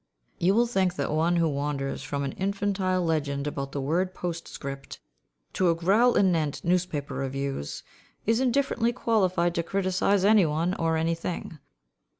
'" You will think that one who wanders from an infantile legend about the word postscript to a growl anent newspaper reviews, is indifferently qualified to criticise any one or anything.